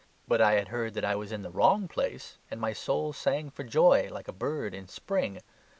But I had heard that I was in the WRONG place, and my soul sang for joy, like a bird in spring.